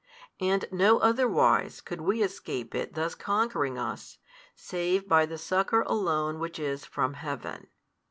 And no otherwise could we escape it thus conquering us, save by the succour alone which is from heaven.